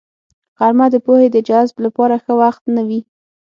غرمه د پوهې د جذب لپاره ښه وخت نه وي